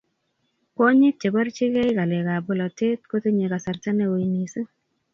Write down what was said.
kwonyik cheborchikei ng'alekab bolote kotinyei kasarta neui mising